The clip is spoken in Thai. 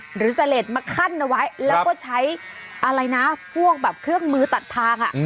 หรือเสล็ดมาขั้นเอาไว้แล้วก็ใช้อะไรนะพวกแบบเครื่องมือตัดทาง